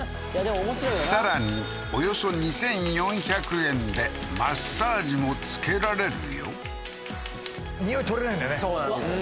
さらにおよそ２，４００円でマッサージもつけられるよそうなんですよね